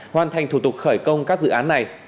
hoàn thành thủ tục khởi công các dự án này